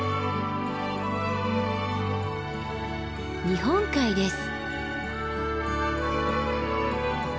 日本海です。